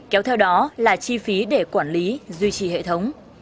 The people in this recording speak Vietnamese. kéo theo đó là chi phí để quản lý duy trì hệ thống